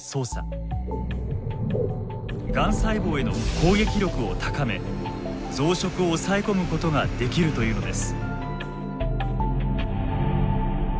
がん細胞への攻撃力を高め増殖を抑え込むことができるというのです。